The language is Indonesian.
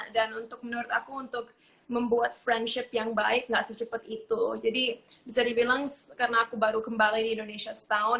dan untuk menurut aku untuk membuat friendship yang baik gak secepet itu jadi bisa dibilang karena aku baru kembali di indonesia setahun